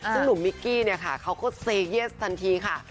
ซึ่งลุมมิกกี้เขาก็ซเรย์เยสทันทีค่ะ